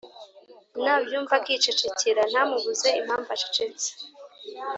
Nabyumva akicecekera ntamubuze impamvu acecetse